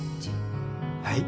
はい？